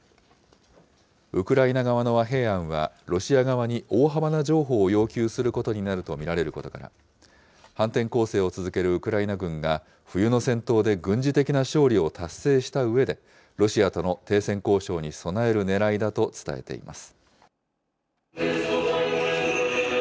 ウクライナ側の和平案は、ロシア側に大幅な譲歩を要求することになると見られることから、反転攻勢を続けるウクライナ軍が冬の戦闘で軍事的な勝利を達成したうえで、ロシアとの停戦交渉に備えるねらいだと伝えています。